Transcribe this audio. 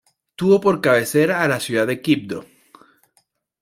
Tuvo por cabecera a la ciudad de Quibdó.